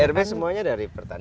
pdrb semuanya dari pertanian